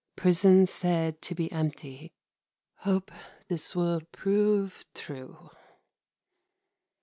Prison said to be empty. Hope this will prove true.